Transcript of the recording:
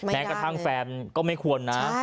แม้กระทั่งแฟนก็ไม่ควรนะ